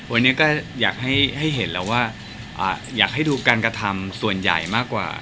วันนี้ก็อยากให้เห็นแล้วว่าอยากให้ดูการกระทำส่วนใหญ่มากกว่า